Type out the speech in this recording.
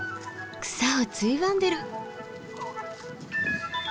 草をついばんでる！